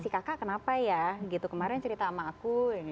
kemarin cerita sama aku